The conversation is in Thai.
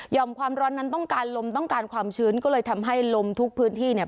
ความร้อนนั้นต้องการลมต้องการความชื้นก็เลยทำให้ลมทุกพื้นที่เนี่ย